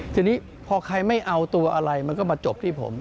ทีนี้พอใครไม่เอาตัวอะไรมันก็มาจบที่ผม